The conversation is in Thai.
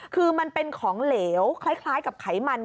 คือมันเป็นของเหลวคล้ายกับไขมัน